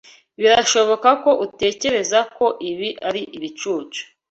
Birashoboka ko utekereza ko ibi ari ibicucu.